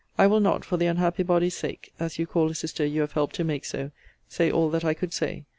I will not, for the unhappy body's sake, as you call a sister you have helped to make so, say all that I could say.